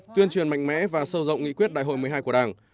tuyên truyền mạnh mẽ và sâu rộng nghị quyết đại hội một mươi hai của đảng